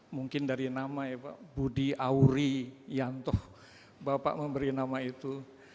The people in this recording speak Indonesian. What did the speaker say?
mungkin dari nama ya pak budi auri yanto bapak memberi nama itu